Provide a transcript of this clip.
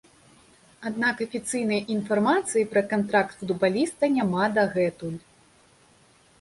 Аднак афіцыйнай інфармацыі пра кантракт футбаліста няма дагэтуль.